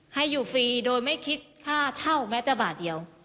ให้อยู่ฟรีโดยไม่คิดค่าเช่าแม้แต่บาทเดียว